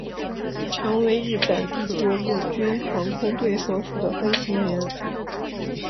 成为日本帝国陆军航空队所属的飞行员。